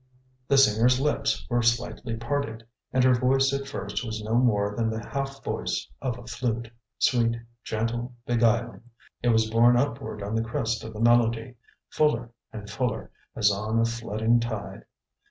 The singer's lips were slightly parted, and her voice at first was no more than the half voice of a flute, sweet, gentle, beguiling. It was borne upward on the crest of the melody, fuller and fuller, as on a flooding tide.